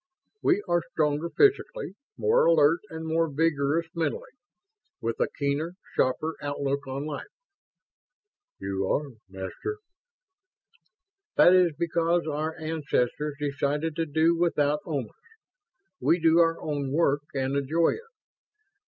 "We are stronger physically, more alert and more vigorous mentally, with a keener, sharper outlook on life?" "You are, Master." "That is because our ancestors decided to do without Omans. We do our own work and enjoy it.